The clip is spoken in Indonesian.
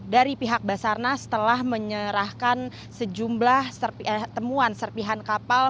dari pihak basarnas telah menyerahkan sejumlah temuan serpihan kapal